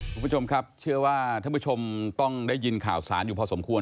คุณผู้ชมครับเชื่อว่าท่านผู้ชมต้องได้ยินข่าวสารอยู่พอสมควร